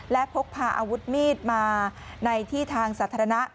และพกพาอาวุธมีดมาในที่ทางสาธารณะ